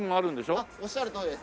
おっしゃるとおりです。